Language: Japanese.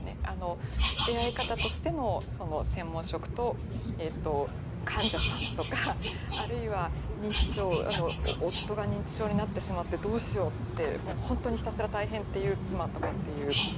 出会い方としての専門職と患者さんとかあるいは夫が認知症になってしまってどうしようっていう本当にひたすら大変っていう妻とかっていう。